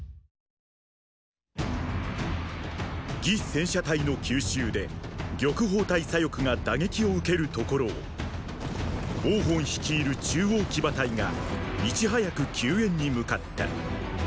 魏戦車隊の急襲で玉鳳隊左翼が打撃を受けるところを王賁率いる中央騎馬隊がいち早く救援に向かった。